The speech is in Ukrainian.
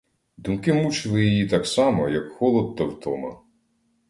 Думки мучили її так само, як холод та втома.